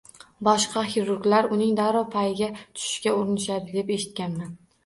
Boshqa xirurglar uning darrov payiga tushishga urinishadi deb eshitganman.